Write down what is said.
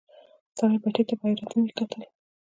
سړي بتۍ ته په حيرانی کتل.